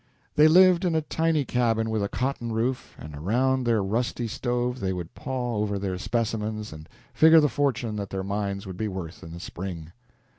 They lived in a tiny cabin with a cotton roof, and around their rusty stove they would paw over their specimens and figure the fortune that their mines would be worth in the spring.